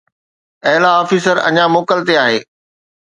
اعليٰ آفيسر اڃا موڪل تي آهي